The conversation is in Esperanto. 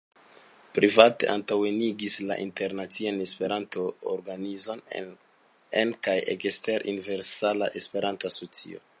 Privat antaŭenigis la internacian Esperanto-organizon en kaj ekster Universala Esperanto-Asocio.